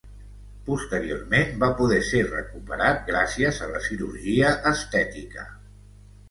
Posteriorment va poder ser recuperat gràcies a la cirurgia estètica.